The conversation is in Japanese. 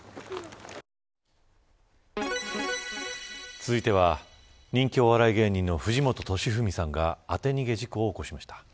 続いては人気お笑い芸人の藤本敏史さんが当て逃げ事故を起こしました。